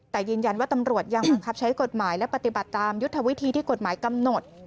แต่ยืนยันว่าตำรวจยังบังคับใช้กฎหมายและปฏิบัติตามยุทธวิธีที่กฎหมายกำหนด